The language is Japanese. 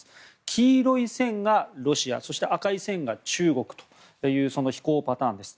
黄色い線がロシアそして赤い線が中国というその飛行パターンです。